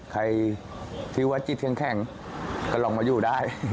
ใครที่ว่าจิตเข้มแข็งก็ลองมาอยู่ได้